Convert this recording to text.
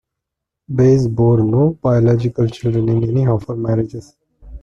Bayes bore no biological children in any of her marriages.